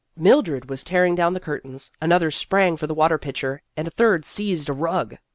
Mildred was tearing down the curtains, another sprang for the water pitcher, and a third seized a rug.